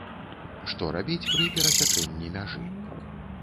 Што рабіць пры перасячэнні мяжы.